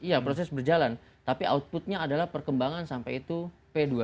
iya proses berjalan tapi outputnya adalah perkembangan sampai itu p dua puluh